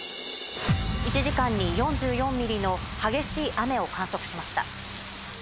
１時間に４４ミリの激しい雨を観測しました。